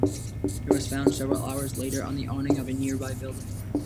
It was found several hours later on the awning of a nearby building.